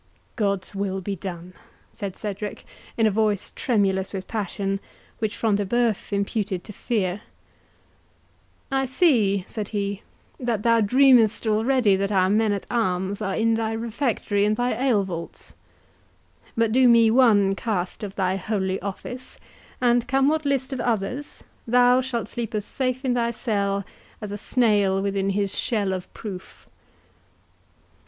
"God's will be done," said Cedric, in a voice tremulous with passion, which Front de Bœuf imputed to fear. "I see," said he, "thou dreamest already that our men at arms are in thy refectory and thy ale vaults. But do me one cast of thy holy office, and, come what list of others, thou shalt sleep as safe in thy cell as a snail within his shell of proof."